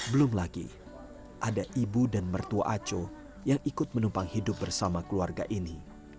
belum lagi ada ibu dan mertua aco yang ikut menumpang hidup bersama keluarga ini